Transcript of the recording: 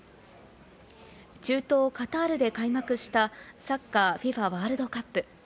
中東・カタールで開幕した、サッカーＦＩＦＡワールドカップ。